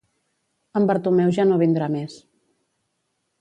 En Bartomeu ja no vindrà més